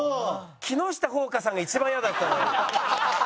「木下ほうかさん」が一番イヤだったな。